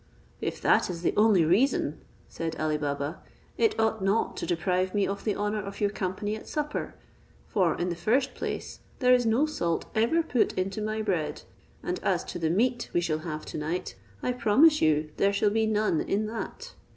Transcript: "If that is the only reason," said Ali Baba, "it ought not to deprive me of the honour of your company at supper; for, in the first place, there is no salt ever put into my bread, and as to the meat we shall have to night, I promise you there shall be none in that.